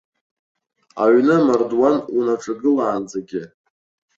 Аҩны амардуан унаҿагылаанӡагьы.